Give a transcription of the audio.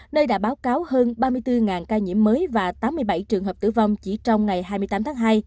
nơi đã báo cáo hơn ba mươi bốn ca nhiễm mới và tám mươi bảy trường hợp tử vong chỉ trong ngày hai mươi tám tháng hai